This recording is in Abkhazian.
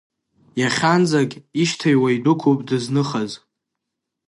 Иахьанӡагь ишьҭаҩуа идәықәуп дызныхаз…